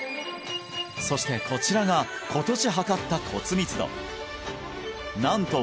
そしてこちらが今年測った骨密度なんと